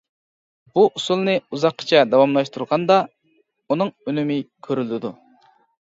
بۇ ئۇسۇلنى ئۇزاققىچە داۋاملاشتۇرغاندا، ئۇنىڭ ئۈنۈمى كۆرۈلىدۇ.